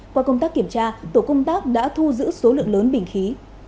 qua công tác kiểm tra tổ công tác đã thu giữ số lượng lớn bình khí